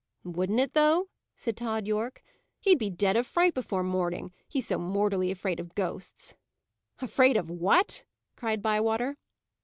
"Wouldn't it, though!" said Tod Yorke. "He'd be dead of fright before morning, he's so mortally afraid of ghosts." "Afraid of what?" cried Bywater.